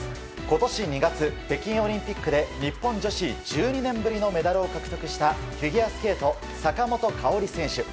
今年２月、北京オリンピックで日本女子１２年ぶりのメダルを獲得したフィギュアスケート坂本花織選手。